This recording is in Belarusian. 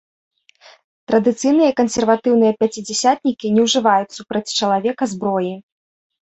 Традыцыйныя кансерватыўныя пяцідзясятнікі не ўжываюць супраць чалавека зброі.